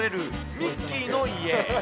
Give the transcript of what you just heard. ミッキーの家。